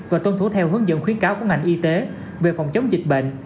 và tuân thủ theo hướng dẫn khuyến cáo của ngành y tế về phòng chống dịch bệnh